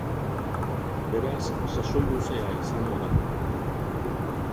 Beraz, sasoi luzea izango da.